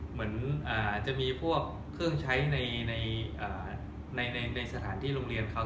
เหมือนจะมีพวกเครื่องใช้ในสถานที่โรงเรียนเขา